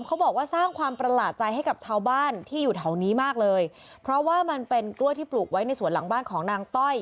เขาบอกว่าสร้างความประหลาดใจให้กับชาวบ้านที่อยู่แถวนี้มากเลยเพราะว่ามันเป็นกล้วยที่ปลูกไว้ในสวนหลังบ้านของนางต้อย